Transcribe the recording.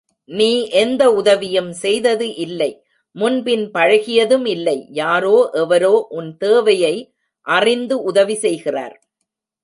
நீ எந்த உதவியும் செய்தது இல்லை முன்பின் பழகியதும் இல்லை யாரோ எவரோ உன் தேவையை அறிந்து உதவிசெய்கிறார்.